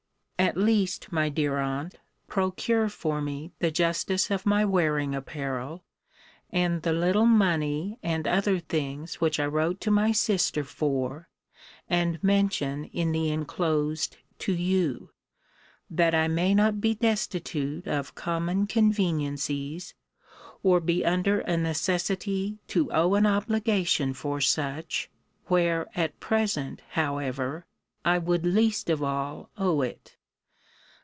At least, my dear Aunt, procure for me the justice of my wearing apparel, and the little money and other things which I wrote to my sister for, and mention in the enclosed to you; that I may not be destitute of common conveniencies, or be under a necessity to owe an obligation for such, where, at present, however, I would least of all owe it.